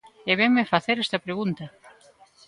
¡E venme facer esta pregunta!